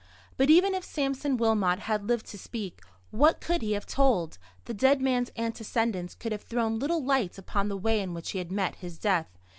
But even if Sampson Wilmot had lived to speak, what could he have told? The dead man's antecedents could have thrown little light upon the way in which he had met his death.